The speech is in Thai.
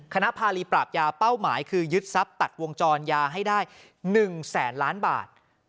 คณะภารีปราบยาเป้าหมายคือยึดทรัพย์ตัดวงจรยาให้ได้๑แสนล้านบาท